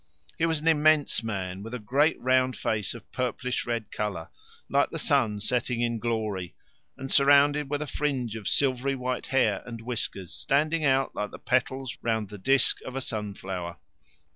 He was an immense man, with a great round face of a purplish red colour, like the sun setting in glory, and surrounded with a fringe of silvery white hair and whiskers, standing out like the petals round the disc of a sunflower.